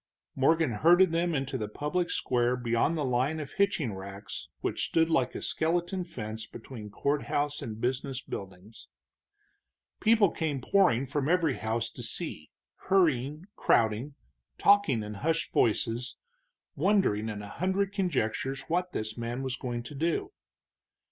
Morgan herded them into the public square beyond the line of hitching racks which stood like a skeleton fence between courthouse and business buildings. People came pouring from every house to see, hurrying, crowding, talking in hushed voices, wondering in a hundred conjectures what this man was going to do.